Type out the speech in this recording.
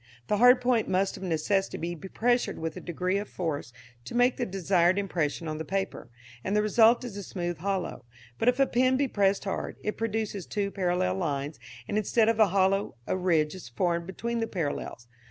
The hard point must of necessity be pressed with a degree of force to make the desired impression on the paper, and the result is a smooth hollow. But if a pen be pressed hard, it produces two parallel lines, and, instead of a hollow, a ridge is formed between the parallels.